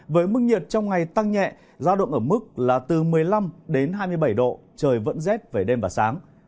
với mức nhiệt trong ngày tăng nhẹ giao động ở mức là từ một mươi năm đến hai mươi bảy độ trời vẫn rét về đêm và sáng